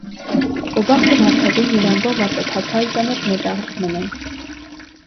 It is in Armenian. Կոբաղդը վարդագոյն երանգով արծաթափայլ, ծանր մետաղ մըն է։